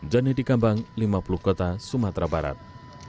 jani di kambang lima puluh kota sumatera barat